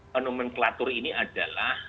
konomenklatur ini adalah